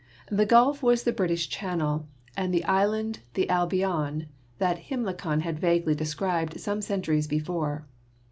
The gulf was the British Channel and the island the Al Bion that Himilcon had vaguely dis cerned some centuries before.